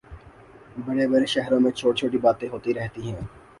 بڑے بڑے شہروں میں چھوٹی چھوٹی باتیں ہوتی رہتی ہیں